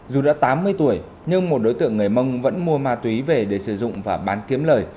dù đã tám mươi tuổi nhưng một đối tượng người mông vẫn mua ma túy về để sử dụng và bán kiếm lời